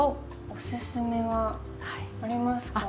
おすすめはありますか？